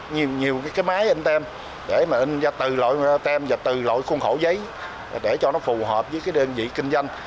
nhiều cái máy ảnh tem để mà ảnh ra từ lội tem và từ lội khuôn khổ giấy để cho nó phù hợp với cái đơn vị kinh doanh